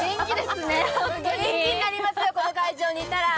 元気になります、この会場にいたら。